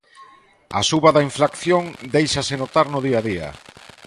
A suba da inflación déixase notar no día a día.